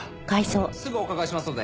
すぐお伺いしますので。